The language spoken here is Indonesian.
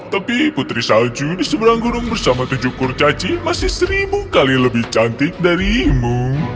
tapi putri salju di seberang gunung bersama tujuh kurcaci masih seribu kali lebih cantik darimu